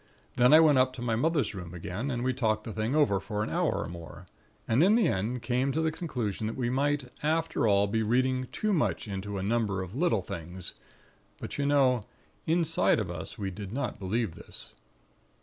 Then I went up to my mother's room again, and we talked the thing over for an hour or more, and in the end came to the conclusion that we might, after all, be reading too much into a number of little things; but, you know, inside of us, we did not believe this.